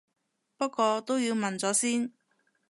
不過都要問咗先